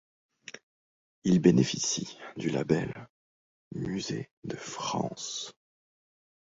Il bénéficie du label Musée de France.